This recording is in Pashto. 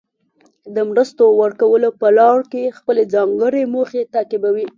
د مرستو ورکولو په لړ کې خپلې ځانګړې موخې تعقیبوي.